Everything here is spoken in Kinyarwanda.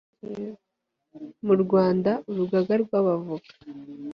mu rwanda urugaga rw abavoka